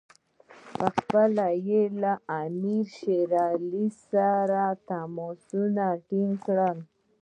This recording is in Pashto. پخپله یې له امیر شېر علي سره تماسونه ټینګ کړي.